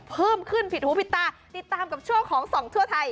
เพิ่มขึ้นผิดหูผิดตาติดตามกับช่วงของส่องทั่วไทย